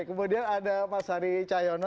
kemudian ada mas hari cahyono